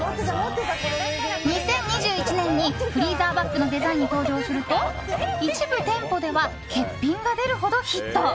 ２０２１年にフリーザーバッグのデザインに登場すると一部店舗では欠品が出るほどヒット。